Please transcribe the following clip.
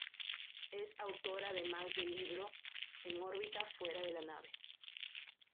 Es autor además del libro "En órbita fuera de la nave".